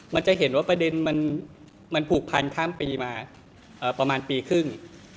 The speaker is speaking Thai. มันจะเห็นว่าประเด็นมันผูกพันข้ามปีมาประมาณปีครึ่ง